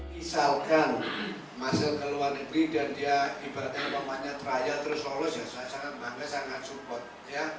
misalkan masuk ke luar negeri dan dia ibaratnya pemainnya teraya terus lolos ya saya sangat bangga sangat support ya